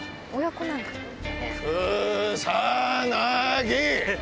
くさなぎ！